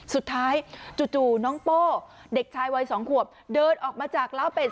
จู่น้องโป้เด็กชายวัย๒ขวบเดินออกมาจากล้าวเป็ด